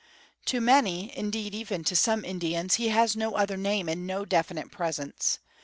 To many, indeed, even to some Indians, he has no other name and no definite presence.